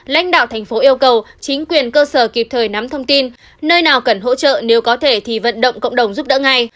lãnh đạo thành phố yêu cầu chính quyền cơ sở kịp thời nắm thông tin nơi nào cần hỗ trợ nếu có thể thì vận động cộng đồng giúp đỡ ngay